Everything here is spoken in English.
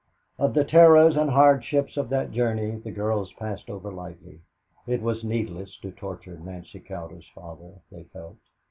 Of the terrors and hardships of that journey the girls passed over lightly. It was needless to torture Nancy Cowder's father, they felt.